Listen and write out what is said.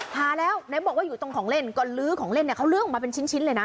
หาแล้วไหนบอกว่าอยู่ตรงของเล่นก็ลื้อของเล่นเนี่ยเขาลื้อออกมาเป็นชิ้นเลยนะ